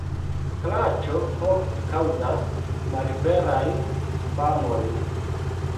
Klaĉo ofte kaŭzas malverajn famojn.